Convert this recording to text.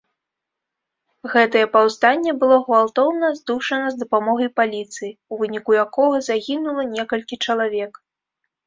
Гэтае паўстанне было гвалтоўна здушана з дапамогай паліцыі, у выніку якога загінула некалькі чалавек.